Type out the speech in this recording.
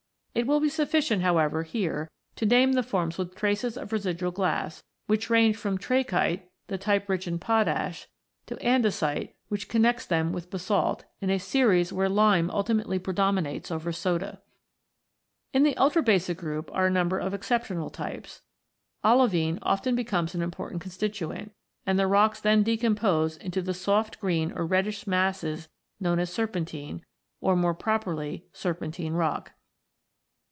It will be sufficient, however, here v] IGNEOUS ROCKS 133 to name the forms with traces of residual glass, which range from trachyte, the type rich in potash, to andesite, which connects them with basalt, in a series where lime ultimately predominates over soda. In the ultrabasic group are a number of excep tional types. Olivine often becomes an important constituent, and the rocks then decompose into the soft green or reddish masses known as serpentine or, more properly, serpentine rock.